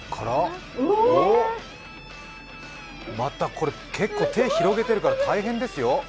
またこれ手、広げてるから大変ですよ。